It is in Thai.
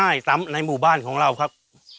ว่ามันจะแล้วอยู่ในหมู่บ้านของเราครับ